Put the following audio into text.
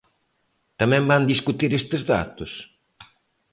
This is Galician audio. ¿Tamén van discutir estes datos?